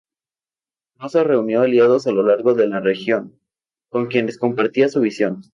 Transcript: Rosas reunió aliados a lo largo de la región con quienes compartían su visión.